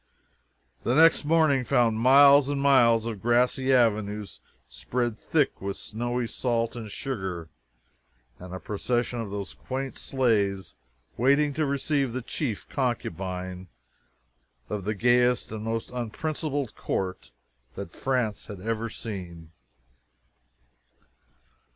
The next morning found miles and miles of grassy avenues spread thick with snowy salt and sugar, and a procession of those quaint sleighs waiting to receive the chief concubine of the gaiest and most unprincipled court that France has ever seen!